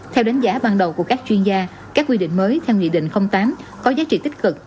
theo đánh giá ban đầu của các chuyên gia các quy định mới theo nghị định tám có giá trị tích cực